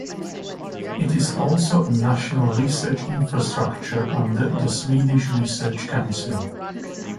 It is also a national research infrastructure under the Swedish Research Council.